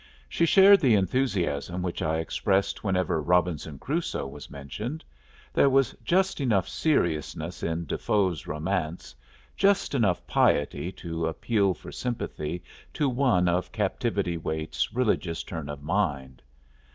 She shared the enthusiasm which I expressed whenever "Robinson Crusoe" was mentioned; there was just enough seriousness in De Foe's romance, just enough piety to appeal for sympathy to one of Captivity Waite's religious turn of mind.